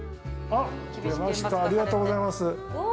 ◆ありがとうございます。